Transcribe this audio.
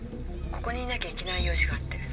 ここにいなきゃいけない用事があって。